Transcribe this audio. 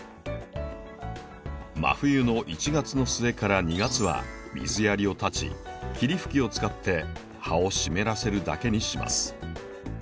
真冬の１月の末から２月は水やりを断ち霧吹きを使って葉を湿らせるだけにします。